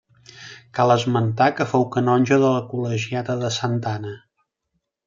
Cal esmentar que fou canonge de la Col·legiata de Santa Anna.